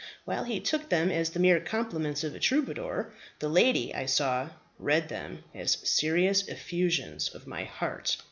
While he took them as the mere compliments of a troubadour, the lady, I saw, read them as serious effusions of my heart.